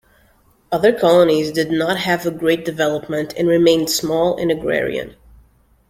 Other colonies did not have a great development and remained small and agrarian.